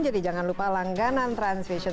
jadi jangan lupa langganan transvision